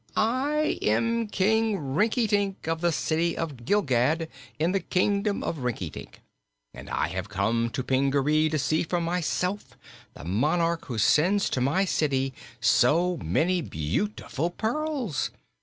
"I am King Rinkitink, of the City of Gilgad in the Kingdom of Rinkitink, and I have come to Pingaree to see for myself the monarch who sends to my city so many beautiful pearls.